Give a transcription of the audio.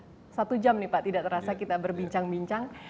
sudah satu jam nih pak tidak terasa kita berbincang bincang